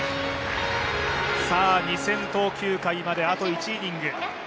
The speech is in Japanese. ２０００投球回まであと１イニング。